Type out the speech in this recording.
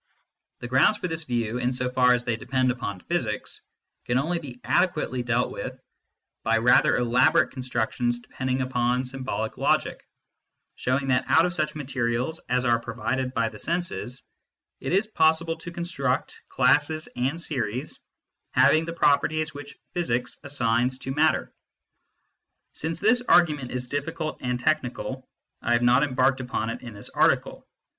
The grounds for this view, in so far as they depend upon physics, can only be ade quately dealt with by rather elaborate constructions depending upon symbolic logic, showing that out of such materials as are provided by the senses it is possible to construct classes and series having the properties which physics assigns to matter. Since this argument is diffi cult and technical, I have not embarked upon it in this article.